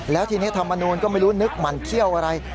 แล้วทีนี้ธรรมนูลก็ไม่รู้นึกหมั่นเขี้ยวอะไร